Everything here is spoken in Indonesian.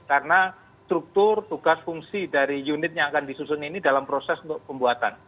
karena struktur tugas fungsi dari unit yang akan disusun ini dalam proses untuk pembuatan